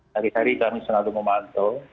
hari hari kami selalu memantau